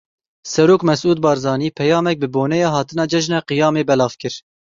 Serok Mesûd Barzanî peyamek bi boneya hatina cejna Qiyamê belav kir.